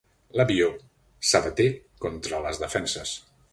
L'avió s'abaté contra les defenses.